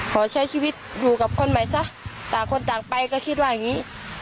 ขอใช้ชีวิตอยู่กับคนใหม่ซะต่างคนต่างไปก็คิดว่าอย่างนี้